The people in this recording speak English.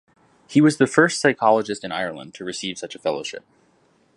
He was the first psychologist in Ireland to receive such an fellowship.